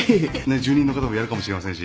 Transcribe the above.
住人の方ともやるかもしれませんし。